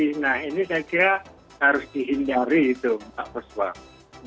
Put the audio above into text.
nah ini saya kira harus dihindari itu mbak puspa